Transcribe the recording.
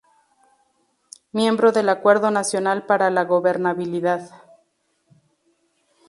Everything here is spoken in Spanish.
Miembro del Acuerdo Nacional para la Gobernabilidad.